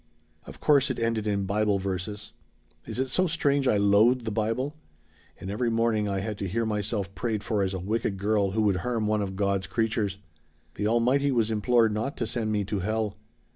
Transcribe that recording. "Of course it ended in Bible verses. Is it so strange I loathed the Bible? And every morning I had to hear myself prayed for as a wicked girl who would harm one of God's creatures. The Almighty was implored not to send me to Hell.